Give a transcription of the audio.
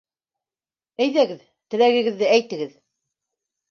Әйҙәгеҙ, теләгегеҙҙе әйтегеҙ.